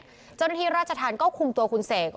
เจ้าหน้าที่ราชธรรมก็คุมตัวคุณเสก